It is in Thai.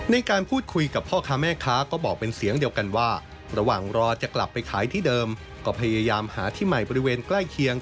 ในการพูดคุยกับพ่อค้าแม่ค้าก็บอกเป็นเสียงเดียวกันว่าระหว่างรอจะกลับไปขายที่เดิมก็พยายามหาที่ใหม่บริเวณใกล้เคียง